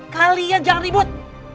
kalian jangan ribut